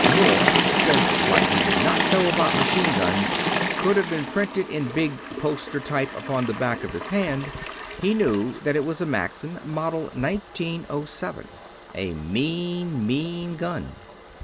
More, since what he did not know about machine guns could have been printed in bill poster type upon the back of his hand, he knew that it was a Maxim, Model 1907 a mean, mean gun.